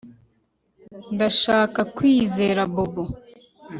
Ndashaka kwizera Bobo